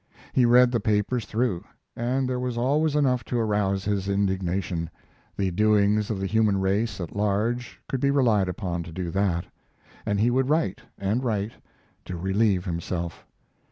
He read the papers through, and there was always enough to arouse his indignation the doings of the human race at large could be relied upon to do that and he would write, and write, to relieve himself.